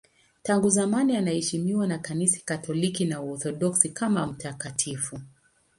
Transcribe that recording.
Tangu zamani anaheshimiwa na Kanisa Katoliki na Waorthodoksi kama mtakatifu.